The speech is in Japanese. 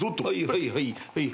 はいはいはい。